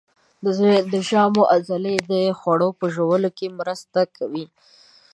د ژامو عضلې د خوړو په ژوولو کې مرسته کوي.